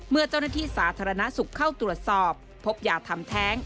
เมื่อเจ้าหน้าที่สาธารณสุขเข้าตรวจสอบพบยาทำแท้ง